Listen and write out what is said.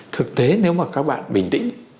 thực tế nếu mà các bạn bình tĩnh